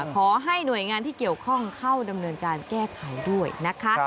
ขอให้หน่วยงานที่เกี่ยวข้องเข้าดำเนินการแก้ไขด้วยนะคะ